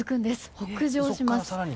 北上します。